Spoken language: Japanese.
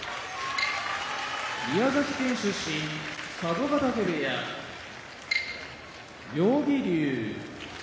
宮崎県出身佐渡ヶ嶽部屋妙義龍